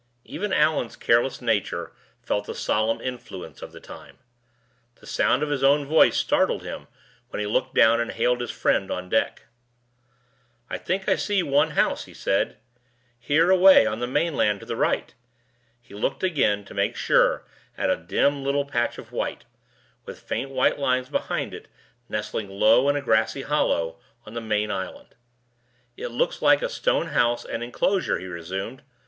Even Allan's careless nature felt the solemn influence of the time. The sound of his own voice startled him when he looked down and hailed his friend on deck. "I think I see one house," he said. "Here away, on the mainland to the right." He looked again, to make sure, at a dim little patch of white, with faint white lines behind it, nestling low in a grassy hollow, on the main island. "It looks like a stone house and inclosure," he resumed.